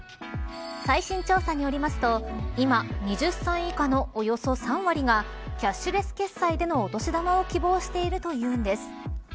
最新調査によりますと今、２０歳以下のおよそ３割がキャッシュレス決済でのお年玉を希望しているというんです。